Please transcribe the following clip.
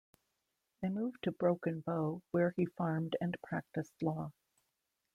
They moved to Broken Bow where he farmed and practiced law.